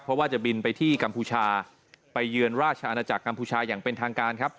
เพราะว่าจะบินไปที่กัมพูชาไปเยือนราชอาณาจักรกัมพูชาอย่างเป็นทางการครับ